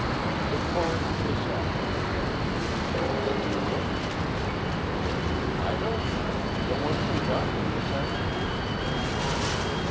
"The Corinth Gazette." "The new one?" "I don't know. The one she brought me this afternoon."